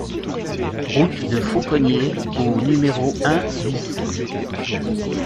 Route de Faucogney au numéro un BIS